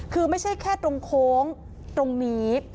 คือไม่ใช่แค่ตรงโค้งตรงนี้